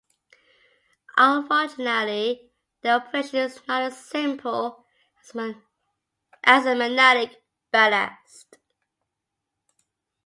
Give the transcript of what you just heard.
Unfortunately, their operation is not as simple as a magnetic ballast.